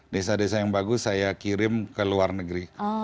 desa desa yang bagus saya kirim ke luar negeri